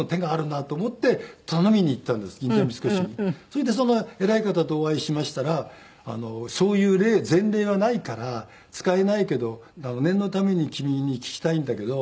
それで偉い方とお会いしましたら「そういう前例はないから使えないけど念のために君に聞きたいんだけど」。